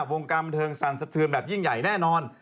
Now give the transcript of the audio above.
วงการบันเทิงสั่นสะเทือนแบบยิ่งใหญ่แน่นอน